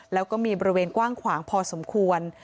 แล้วก็มีบริเวณกว้างขวางพอสมควร